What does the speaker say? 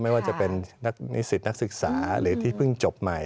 ไม่ว่าจะเป็นนักนิสิตนักศึกษาหรือที่เพิ่งจบใหม่